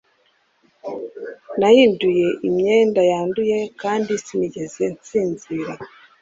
nahinduye imyenda yanduye kandi sinigeze nsinzira